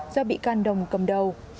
do bị can đồng cầm đầu